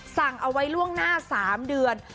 สั่งเอาไว้ล่วงหน้า๓เดือน